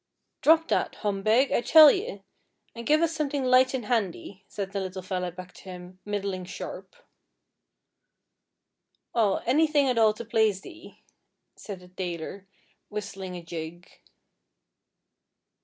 'Drop that, Hom Beg, I tell ye, an' give us something light an' handy,' said the little fella back to him, middling sharp. 'Aw, anything at all to plaze thee,' said the tailor, whistling a jig.